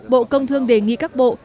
bộ công thương đề nghị các bộ